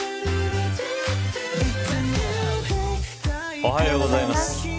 おはようございます。